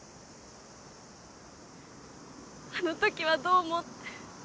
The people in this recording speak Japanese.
「あの時はどうも」って。